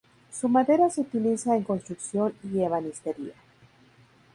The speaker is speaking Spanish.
Su madera se utiliza en construcción y ebanistería.